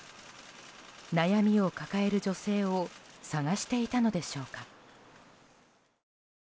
悩みを抱える女性を探していたのでしょうか。